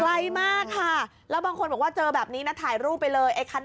ไกลมากค่ะแล้วบางคนบอกว่าเจอแบบนี้นะถ่ายรูปไปเลยไอ้คัน